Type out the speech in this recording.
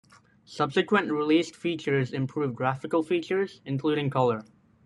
Subsequent releases featured improved graphical features, including color.